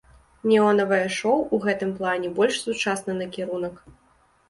Неонавае шоў у гэтым плане больш сучасны накірунак.